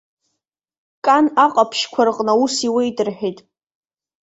Кан аҟаԥшьқәа рҟны аус иуеит, рҳәеит!